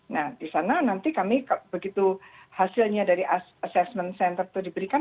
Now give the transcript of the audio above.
nah di sana nanti kami begitu hasilnya dari assessment center itu diberikan